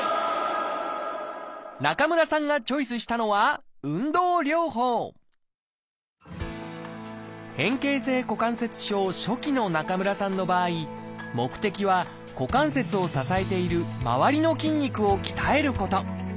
中村さんがチョイスしたのは変形性股関節症初期の中村さんの場合目的は股関節を支えている周りの筋肉を鍛えること。